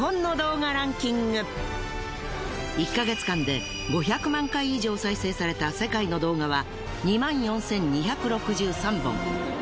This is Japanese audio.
１ヶ月間で５００万回以上再生された世界の動画は２４，２６３本！